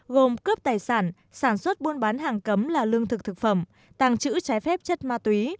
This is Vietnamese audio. gồm cướp tài sản sản xuất buôn bán hàng cấm là lương thực thực phẩm tàng trữ trái phép chất ma túy